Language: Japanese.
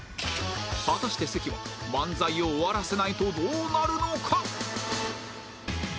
果たして関は漫才を終わらせないとどうなるのか？